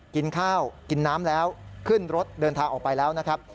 กินข้าวกินน้ำแล้วขึ้นรถเดินทางออกไปแล้วนะครับ